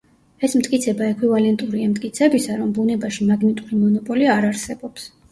ეს მტკიცება ექვივალენტურია მტკიცებისა, რომ ბუნებაში მაგნიტური მონოპოლი არ არსებობს.